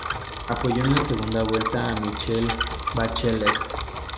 Apoyó en segunda vuelta a Michelle Bachelet.